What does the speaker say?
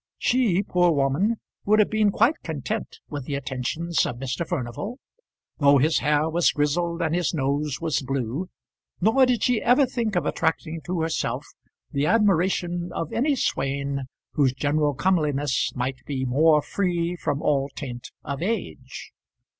She, poor woman, would have been quite content with the attentions of Mr. Furnival, though his hair was grizzled and his nose was blue; nor did she ever think of attracting to herself the admiration of any swain whose general comeliness might be more free from all taint of age.